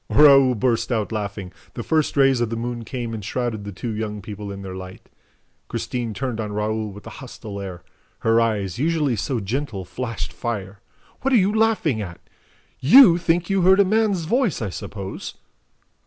Raoul burst out laughing. The first rays of the moon came and shrouded the two young people in their light. Christine turned on Raoul with a hostile air. Her eyes, usually so gentle, flashed fire. "What are you laughing at? YOU think you heard a man's voice, I suppose?"